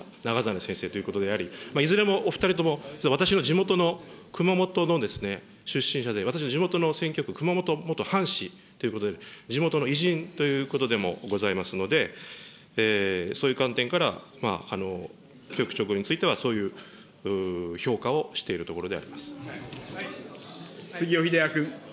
先生ということであり、いずれもお２人とも、私の地元の熊本の出身者で、私は地元の選挙区、熊本、元はんしということで、地元の偉人ということでもございますので、そういう観点から教育勅語については、そういう評価をして杉尾秀哉君。